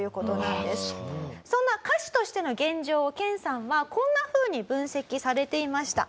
そんな歌手としての現状を研さんはこんな風に分析されていました。